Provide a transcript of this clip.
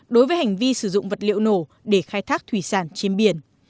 đối với hành vi sử dụng vật liệu nổ để khai thác thủy sản trên biển